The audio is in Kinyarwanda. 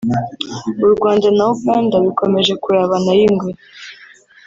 u Rwanda na Uganda bikomeje kurabana ay’ingwe